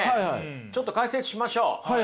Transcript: ちょっと解説しましょう。